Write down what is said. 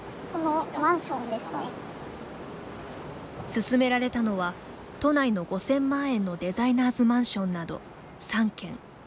勧められたのは都内の５０００万円のデザイナーズマンションなど３軒。